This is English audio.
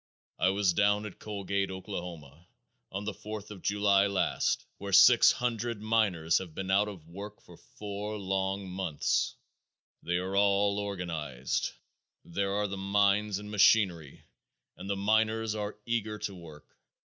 I was down at Coalgate, Oklahoma, on the Fourth of July last, where six hundred miners have been out of work for four long months. They are all organized. There are the mines and machinery, and the miners are eager to work.